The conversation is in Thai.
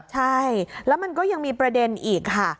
ใช่แล้วมันก็ยังมีประเด็นอีกค่ะ